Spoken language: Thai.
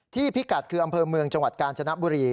พิกัดคืออำเภอเมืองจังหวัดกาญจนบุรี